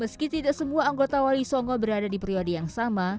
meski tidak semua anggota wali songo berada di periode yang sama